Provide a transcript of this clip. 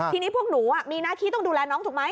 ทีนี้พวกหนูมีหน้าที่ต้องดูแลน้องถูกไหม